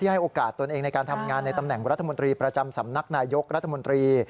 ให้โอกาสตนเองในการทำงานในตำแหน่งรัฐมนตรีประจำสำนักนายยกรัฐมนตรี